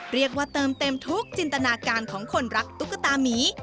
เรียกว่าเติมเต็มทุกจินตนาการของคนรักตุ๊กตามี